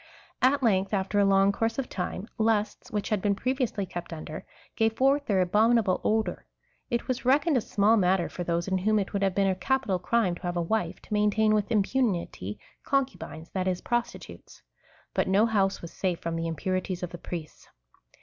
At length, after a long course of time, lusts, which had been previously kept under, gave forth their abominable odour. It was reckoned a small matter for those, in Avhom it would have been a capital crime to have a wife, to maintain with impunity concubines, that is, prostitutes ; but no house was safe from the impurities of the priests.